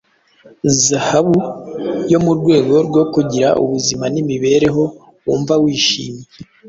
Zahabu yo mu rwego rwo kugira ubuzima n’imibereho wumva wishimiye.